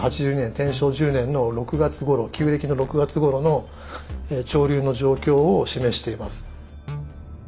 天正１０年の６月頃旧暦の６月頃の潮流の状況を示しています。